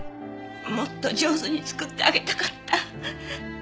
もっと上手に作ってあげたかった。